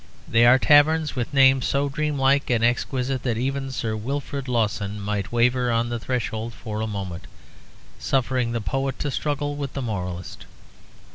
There are taverns with names so dreamlike and exquisite that even Sir Wilfrid Lawson might waver on the threshold for a moment, suffering the poet to struggle with the moralist.